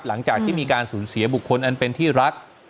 หลังจากที่มีการสูญเสียบุคคลอันเป็นที่รัก